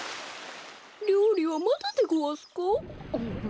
りょうりはまだでごわすか？